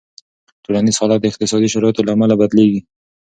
ټولنیز حالت د اقتصادي شرایطو له امله بدلېږي.